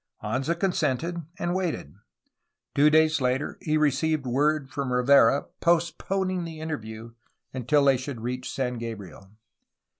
Anza consented and waited. Two days later he re ceived word from Rivera postponing the interview until they should reach San Gabriel.